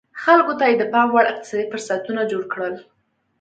خلکو ته یې د پام وړ اقتصادي فرصتونه جوړ کړل